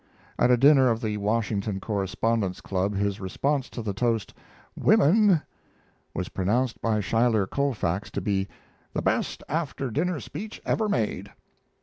At a dinner of the Washington Correspondents Club his response to the toast, "Women," was pronounced by Schuyler Colfax to be "the best after dinner speech ever made."